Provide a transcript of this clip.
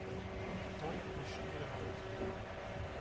To je dnešní realita.